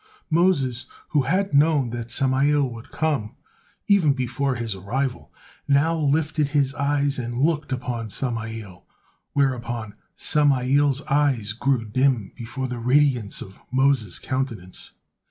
Moses who had known that Samael would come, even before his arrival, now lifted his eyes and looked upon Samael, whereupon Samael's eyes grew dim before the radiance of Moses' countenance.